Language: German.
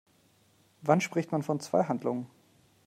Wann spricht man von zwei Handlungen?